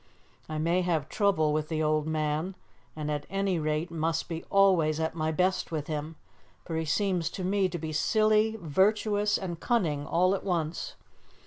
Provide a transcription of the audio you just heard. I may have trouble with the old man, and, at any rate, must be always at my best with him, for he seems to me to be silly, virtuous and cunning all at once.